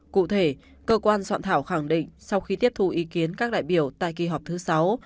cụ thể cơ quan soạn thảo khẳng định sau khi tiếp thu ý kiến các đại biểu tại kỳ họp thứ sáu